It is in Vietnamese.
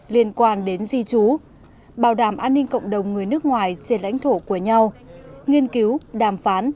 liên quan đến di trú bảo đảm an ninh cộng đồng người nước ngoài trên lãnh thổ của nhau nghiên cứu đàm phán